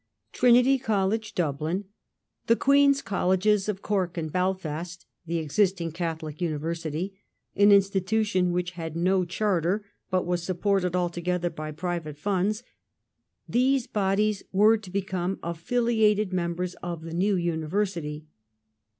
Trinity College, Dublin, the Queen s Colleges of Cork and Belfast, the existing Catholic University — an institution which had no charter, but was supported altogether by private funds — these bodies were to become affiliated members of the new university.